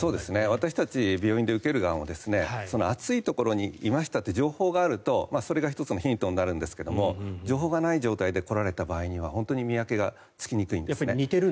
私たち病院の受ける側も暑いところにいましたという情報があるとそれが１つのヒントになるんですが情報がない状態で来られた場合には本当に見分けがつきにくいんですね。